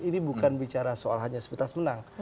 ini bukan bicara soal hanya sebatas menang